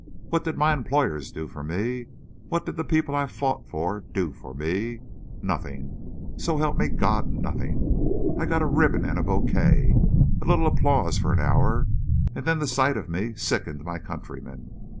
What did my employers do for me? What did the people I fought for do for me?... Nothing—so help me God—nothing!... I got a ribbon and a bouquet—a little applause for an hour—and then the sight of me sickened my countrymen.